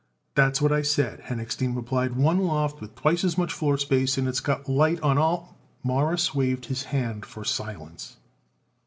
"That's what I said," Henochstein replied, "one loft with twicet as much floor space, and it's got light on all " Morris waved his hand for silence.